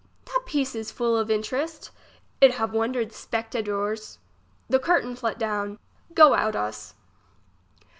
That piece is full of interest. It have wondered the spectadors. The curtains let down. Go out us.